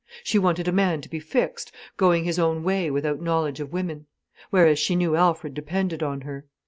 She wanted a man to be fixed, going his own way without knowledge of women. Whereas she knew Alfred depended on her.